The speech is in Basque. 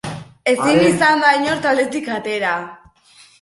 Ezin da inor taldetik atera.